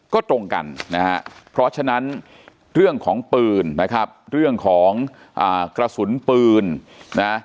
ก็ตรงกันนะฮะเพราะฉะนั้นเรื่องของปืนนะครับเรื่องของกระสุนปืนนะ